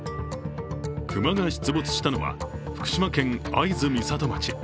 熊が出没したのは福島県会津美里町。